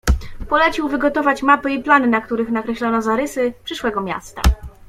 "Polecił wygotować mapy i plany, na których nakreślono zarysy przyszłego miasta."